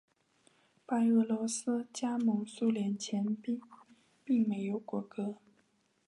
白俄罗斯加盟苏联前时并没有国歌。